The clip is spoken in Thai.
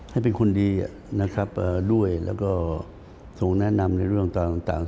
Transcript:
ให้เป็นคนดีนะครับด้วยแล้วก็ทรงแนะนำในเรื่องต่าง